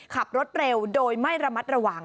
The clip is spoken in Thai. ขับรถเร็วโดยไม่ระมัดระวัง